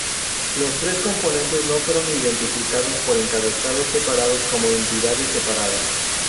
Los tres componentes no fueron identificados por encabezados separados como entidades separadas.